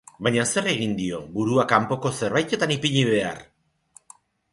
Baina zer egingo dio, burua kanpoko zerbaitetan ipini behar!